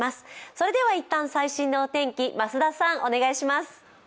それでは一旦、最新のお天気、増田さん、お願いします。